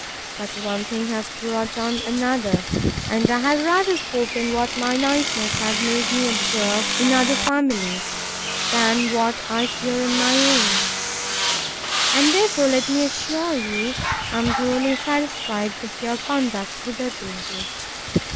But one thing has brought on another; and I have rather spoken what my niceness has made me observe in other families, than what I fear in my own. And, therefore, let me assure you, I am thoroughly satisfied with your conduct hitherto.